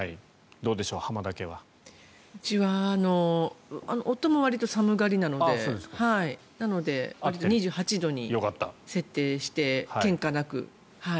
うちは夫も寒がりなのでなので、２８度に設定してけんかなく。